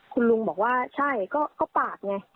คุณลุงบอกว่าใช่ก็ปากไง